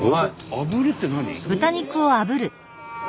あぶるって何？